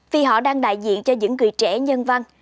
vì họ đang đại diện cho những người trẻ nhân văn